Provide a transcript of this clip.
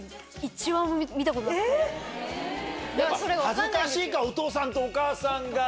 恥ずかしいかお父さんとお母さんが。